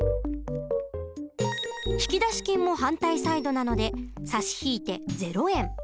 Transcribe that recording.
引出金も反対サイドなので差し引いて０円。